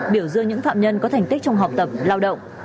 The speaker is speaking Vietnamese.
biểu dương những phạm nhân có thành tích trong học tập lao động